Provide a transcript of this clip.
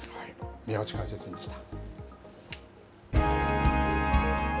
宮内解説委員でした。